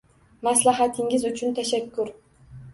Maslahatingiz uchun tashakkur.